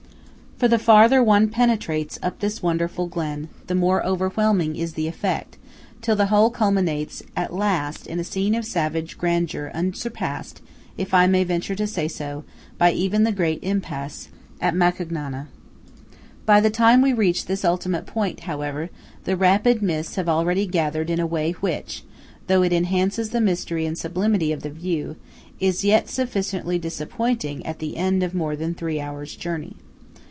For the farther one penetrates up this wonderful glen, the more overwhelming is the effect, till the whole culminates at last in a scene of savage grandeur unsurpassed, if I may venture to say so, by even the great impasse at Macugnana. By the time we reach this ultimate point, however, the rapid mists have already gathered in a way which, though it enhances the mystery and sublimity of the view, is yet sufficiently disappointing at the end of more than three hours' journey.